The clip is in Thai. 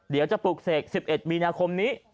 เดี๋ยวจะปลูกเศก๑๑มีนาคมนี้